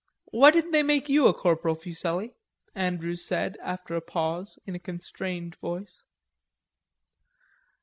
"Why didn't they make you a corporal, Fuselli?" Andrcws said, after a pause, in a constrained voice.